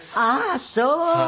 ああそう。